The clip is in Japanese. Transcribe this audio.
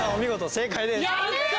正解です！